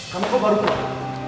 kamu kok baru pulang